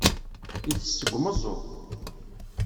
Itess seg umeẓẓuɣ.